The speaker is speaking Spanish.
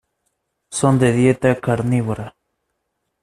Son de dieta carnívora.